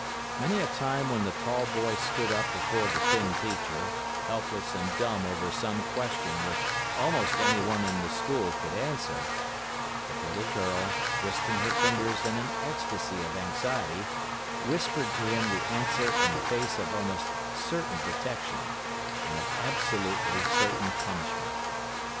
Many a time when the tall boy stood up before the thin teacher, helpless and dumb over some question which almost anyone in the school could answer, the little girl, twisting her fingers in an ecstacy of anxiety, whispered to him the answer in the face of almost certain detection and of absolutely certain punishment.